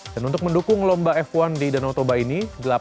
dan untuk mendukung lomba f satu di danau toba ini